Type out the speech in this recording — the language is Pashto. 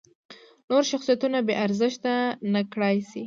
نور شخصیتونه بې ارزښته نکړای شي.